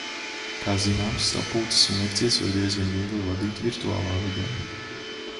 Kā zināms, sapulces un lekcijas var diezgan viegli vadīt virtuālā vidē.